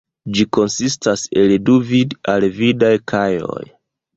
Ĝi konsistas el du vid-al-vidaj kajoj.